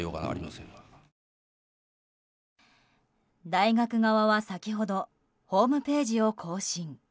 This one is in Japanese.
大学側は先ほどホームページを更新。